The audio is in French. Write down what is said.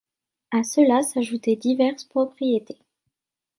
À cela s'ajoutaient diverses propriétés.